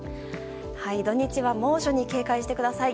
土日は猛暑に警戒してください。